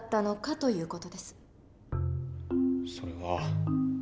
それは。